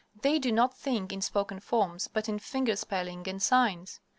They do not think in spoken forms, but in finger spelling and signs_.